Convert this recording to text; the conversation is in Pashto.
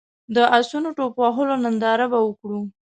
د اسونو ټوپ وهلو ننداره به وکړو.